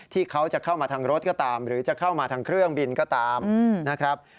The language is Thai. ที่เขาจะเข้ามาทางรถก็ตามหรือจะเข้ามาทางเครื่องบินก็ตามนะครับ